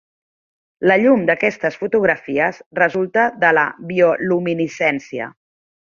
La llum d'aquestes fotografies resulta de la bioluminescència.